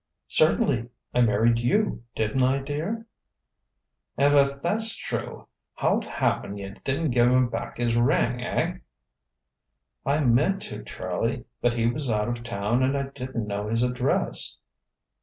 "Certainly. I married you, didn't I, dear?" "And if that's true, how't happen you didn't give'm back his ring? Eh?" "I meant to, Charlie, but he was out of town and I didn't know his address."